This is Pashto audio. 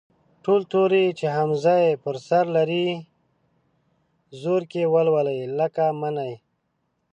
ټول توري چې همزه پر سر لري، زورکی ولولئ، لکه: مٔنی.